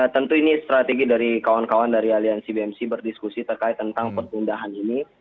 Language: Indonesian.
tentu ini strategi dari kawan kawan dari aliansi bmc berdiskusi terkait tentang perpindahan ini